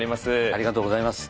ありがとうございます。